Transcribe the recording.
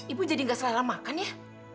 ibu jadi nggak selera makan ya